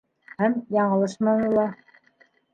Һәм яңылышманы ла.